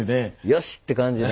「よし！」って感じ。